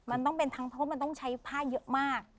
มันต้องเป็นทั้งทบมันต้องใช้ผ้าเยอะมาก